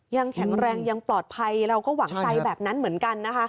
ยังแข็งแรงยังปลอดภัยเราก็หวังใจแบบนั้นเหมือนกันนะคะ